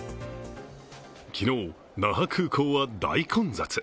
昨日、那覇空港は大混雑。